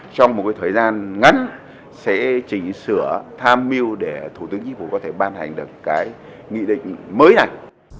trong một cái thời gian ngắn sẽ chỉnh sửa tham mưu để thủ tướng chính phủ có thể ban hành được cái nghị định mới này